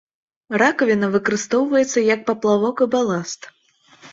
Ракавіна выкарыстоўваецца як паплавок і баласт.